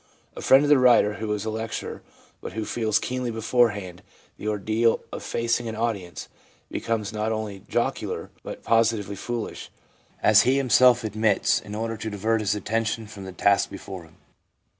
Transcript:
A friend of the writer who is a lecturer, but who feels keenly beforehand the ordeal of facing an audience, be comes not only jocular but positively foolish, as he himself admits, in order to divert his attention from the task before him.